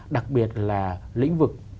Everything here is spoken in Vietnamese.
đặc biệt là lĩnh vực